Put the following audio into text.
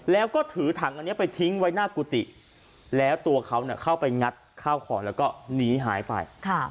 แล้วก็ถือถังอันนี้ไปทิ้งไว้หน้ากุฏิแล้วตัวเขาเข้าไปงัดข้าวของแล้วก็หนีหายไป